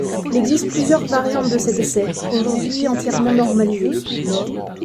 Il existe plusieurs variantes de cet essai, aujourd'hui entièrement normalisé.